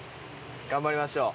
頑張りましょう。